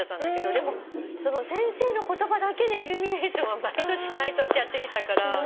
でも先生の言葉だけでイルミネーションは毎年毎年やってきたから。